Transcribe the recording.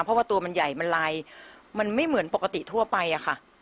เพราะว่าตัวมันใหญ่มันลายมันไม่เหมือนปกติทั่วไปอะค่ะ